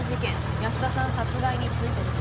安田さん殺害についてです